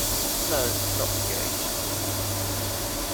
No, not engaged.